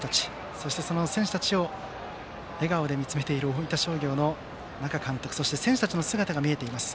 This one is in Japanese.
そして、その選手たちを笑顔で見つめている大分商業の那賀監督選手たちの姿が見えています。